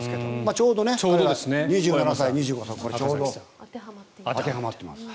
ちょうど彼らは２７歳、２５歳と当てはまってます。